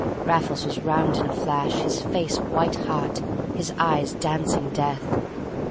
Raffles was round in a flash, his face white hot, his eyes dancing death.